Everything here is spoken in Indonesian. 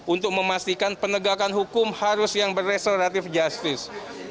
untuk memastikan penegakan hukum harus yang berestoratif justice